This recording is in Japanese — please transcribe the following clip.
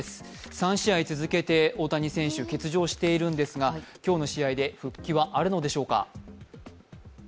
３試合続けて大谷選手、欠場しているのですが、今日の試合で復帰はあるのでしょうか。